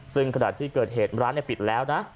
ซึ่งขณะที่เกิดเหตุร้านปิดแล้วนะ